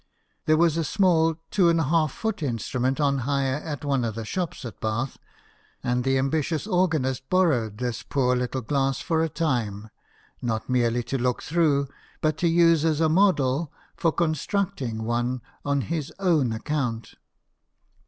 There was a small two and a half foot instrument on hire at one of the shops at Bath ; and the ambitious organist borrowed this poor little glass for a time, not merely to look through, but to use as a model for constructing one on his own account.